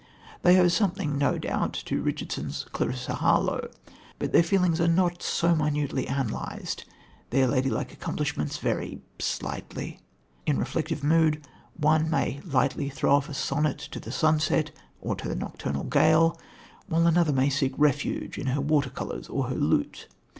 They owe something no doubt to Richardson's Clarissa Harlowe, but their feelings are not so minutely analysed. Their lady like accomplishments vary slightly. In reflective mood one may lightly throw off a sonnet to the sunset or to the nocturnal gale, while another may seek refuge in her water colours or her lute.